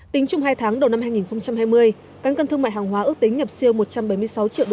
tính chung hai tháng đầu năm hai nghìn hai mươi căn cân thương mại hàng hóa ước tính nhập siêu một trăm bảy mươi sáu triệu usd